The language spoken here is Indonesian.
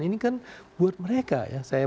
ini kan buat mereka ya